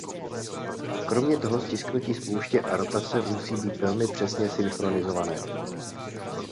Kromě toho stisknutí spouště a rotace musí být velmi přesně synchronizované.